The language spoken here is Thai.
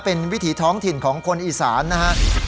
เป็นวิถีท้องถิ่นของคนอีสานนะฮะ